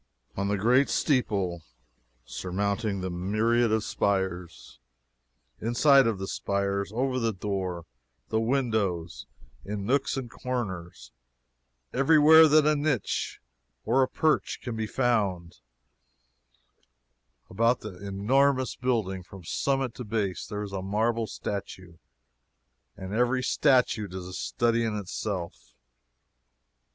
On the great steeple surmounting the myriad of spires inside of the spires over the doors, the windows in nooks and corners every where that a niche or a perch can be found about the enormous building, from summit to base, there is a marble statue, and every statue is a study in itself!